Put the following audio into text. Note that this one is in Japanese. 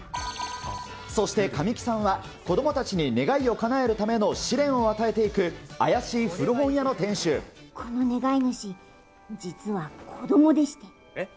そして神木さんは、子どもたちに願いをかなえるための試練を与えていく、この願い主、実は子どもでしえっ？